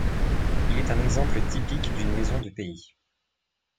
Il est un exemple typique d'une maison de pays.